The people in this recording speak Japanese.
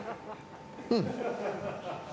うん。